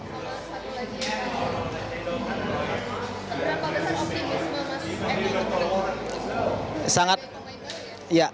berapa besar optimisme eko roni